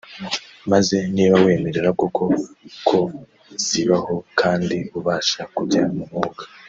maze niba wemera koko ko zibaho kandi ubasha kujya mu mwuka